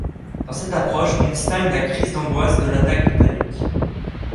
Dans cette approche on distingue la crise d'angoisse de l'attaque de panique.